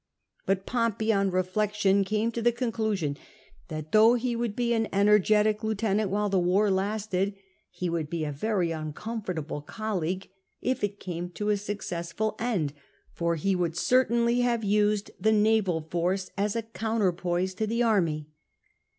But i'ompey on relleo 228 CATO bion came to the conclusion, that though he would be an energetic lieutenant while the war lasted, he would be a very uncomfortable colleague if it came to a successful end, for he would certainly have used the naval force as a counterpoise to the army.